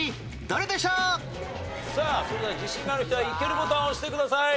それでは自信がある人はイケるボタンを押してください。